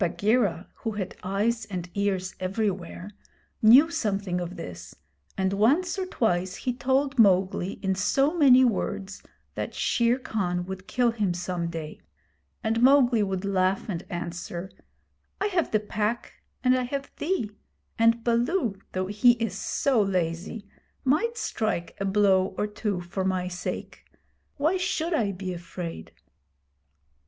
Bagheera, who had eyes and ears everywhere, knew something of this, and once or twice he told Mowgli in so many words that Shere Khan would kill him some day; and Mowgli would laugh and answer: 'I have the Pack and I have thee; and Baloo, though he is so lazy, might strike a blow or two for my sake. Why should I be afraid?'